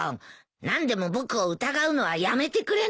何でも僕を疑うのはやめてくれない？